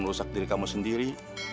merusak diri kamu sendiri